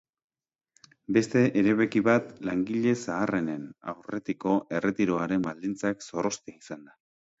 Beste erebaki bat langile zaharrenen aurretiko erretiroaren baldintzak zorroztea izan da.